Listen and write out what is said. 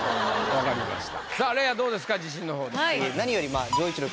分かりました。